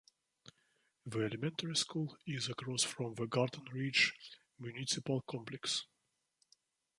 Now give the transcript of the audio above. The elementary school is across from the Garden Ridge municipal complex.